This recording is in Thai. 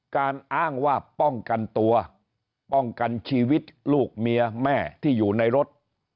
การอ้างว่าป้องกันตัวป้องกันชีวิตลูกเมียแม่ที่อยู่ในรถ